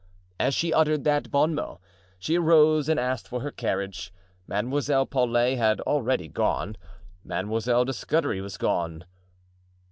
As she uttered that bon mot, she arose and asked for her carriage. Mademoiselle Paulet had already gone; Mademoiselle de Scudery was going.